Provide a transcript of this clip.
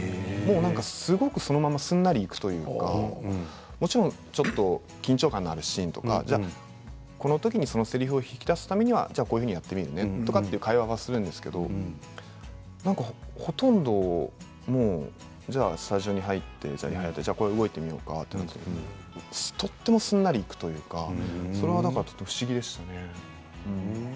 すごくそのまますんなりいくというかもちろんちょっと緊張感のあるシーンとかこのときにそのせりふを引き出すためにはこういうふうにやってみるねという会話をするんですけどじゃあ最初に入ってこう動いてみようかととても、すんなりいくというかそれは不思議でしたね。